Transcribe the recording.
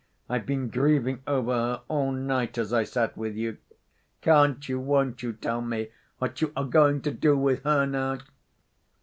I've been grieving over her all night as I sat with you.... Can't you, won't you tell me what you are going to do with her now?"